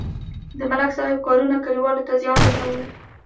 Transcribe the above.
د ملک صاحب کارونو کلیوالو ته زیان رسولی.